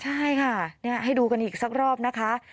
ใช่ค่ะให้ดูกันอีกสักรอบนะคะ